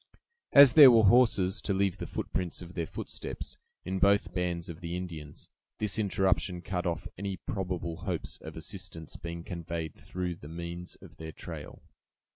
As there were horses, to leave the prints of their footsteps, in both bands of the Indians, this interruption cut off any probable hopes of assistance being conveyed through the means of their trail.